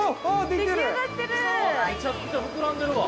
◆めちゃくちゃ膨らんでるわ。